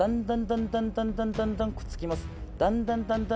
だんだんだんだんだんだんくっつきます。